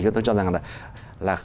chúng ta cho rằng là